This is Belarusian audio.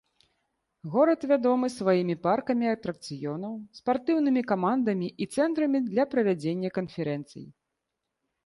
Горад вядомы сваімі паркамі атракцыёнаў, спартыўнымі камандамі і цэнтрамі для правядзення канферэнцый.